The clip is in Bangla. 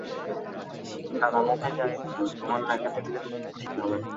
দাদা মুখে যাই বলুন, তোমার লেখা দেখলে খুব খুশি হবেন।